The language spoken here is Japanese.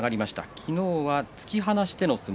昨日は突き放しての相撲